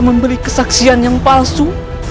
memberi kesaksian yang palsu